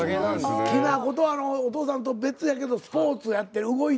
きな粉とお父さんとは別やけどスポーツやってる動いてる。